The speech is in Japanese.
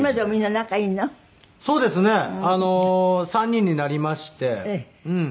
３人になりましてうん。